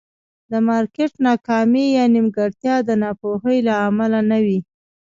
د مارکېټ ناکامي یا نیمګړتیا د ناپوهۍ له امله نه وي.